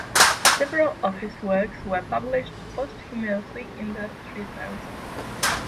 Several of his works were published posthumously in "The Three Tales".